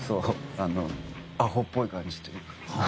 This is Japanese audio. あのアホっぽい感じというか。